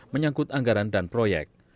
menyangkut anggaran dan proyek